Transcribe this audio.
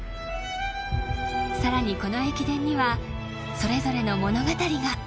さらにこの駅伝にはそれぞれの物語が。